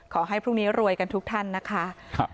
ขอให้พรุ่งนี้รวยกันทุกท่านนะคะ